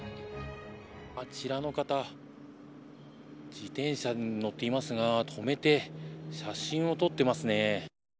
あちらの方自転車に乗っていますが止めて写真を撮ってますね。